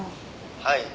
はい。